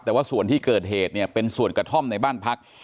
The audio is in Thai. แต่ว่าส่วนที่เกิดเหตุเนี่ยเป็นส่วนกระท่อมในบ้านพัก